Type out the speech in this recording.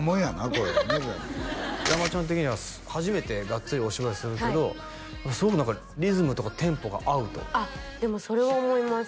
これ山ちゃん的には初めてガッツリお芝居するけどすごく何かリズムとかテンポが合うとあっでもそれは思います